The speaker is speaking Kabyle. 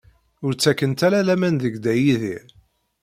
Ur ttakent ara laman deg Dda Yidir.